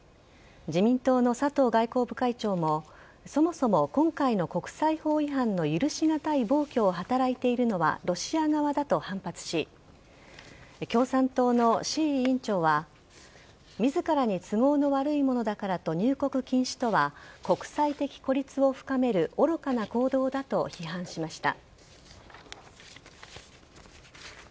自民党の佐藤外交部会長もそもそも今回の国際法違反の許しがたい暴挙を働いているのはロシア側だと反発し共産党の志位委員長は自らに都合の悪いものだからと入国禁止とは国際的孤立を深める愚かな行動だと批判しました。